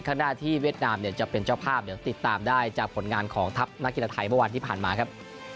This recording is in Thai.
ข้างหน้าที่เวียดนามจะเป็นเจ้าภาพติดตามได้จากผลงานของทัพนักกีฬไทยที่ผ่านมาครับ